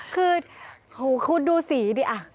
คือคุณดูสีดิ